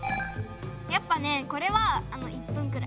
やっぱねこれは１分くらい。